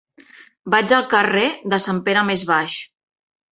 Vaig al carrer de Sant Pere Més Baix.